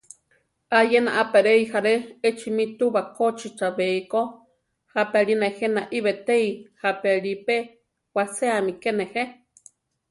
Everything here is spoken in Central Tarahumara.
Ayena a peréi járe echimi túu bakóchi chabéiko, jápi Ali nejé naí betéi, jápi Ali pe waséami ke nejé.